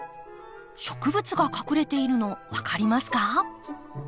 植物が隠れているの分かりますか？